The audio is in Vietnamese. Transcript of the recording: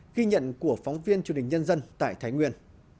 ghi nhận của phóng viên truyền hình nhân dân tại thái nguyên